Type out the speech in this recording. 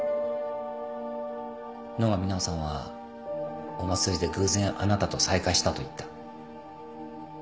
野上奈緒さんはお祭りで偶然あなたと再会したと言った。